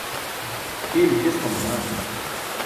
kʰiile ṭhis mamanaan